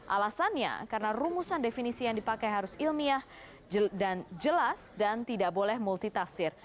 alasannya karena rumusan definisi yang dipakai harus ilmiah dan jelas dan tidak boleh multitafsir